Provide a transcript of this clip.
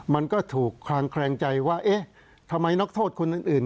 มันก็ถูกคลางแคลงใจว่าเอ๊ะทำไมนักโทษคนอื่น